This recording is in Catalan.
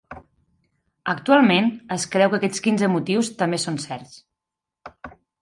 Actualment, es creu que aquests quinze motius també són certs.